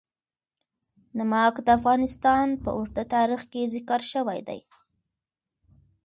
نمک د افغانستان په اوږده تاریخ کې ذکر شوی دی.